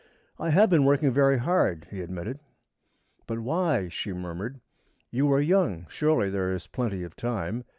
"I have been working very hard," he admitted. "But why?" she murmured. "You are young. Surely there is plenty of time?